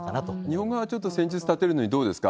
日本側はちょっと戦術立てるのに、どうですか？